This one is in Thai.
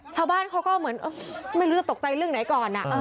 ชาวบ้านเขาก็เหมือนไม่รู้จะตกใจเรื่องไหนก่อน